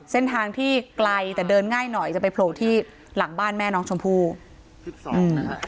เส้นทางที่ไกลแต่เดินง่ายหน่อยจะไปโผล่ที่หลังบ้านแม่น้องชมพู่๑๒นะคะ